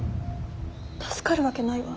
助かるわけないわ。